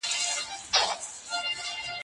ترتيب وکړه!